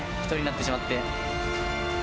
１人になってしまって。